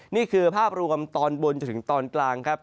นี่คือภาพรวมตอนบนจนถึงตอนกลางครับ